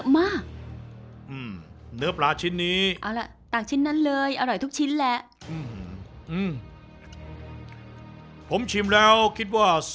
ไม่อยู่แล้ว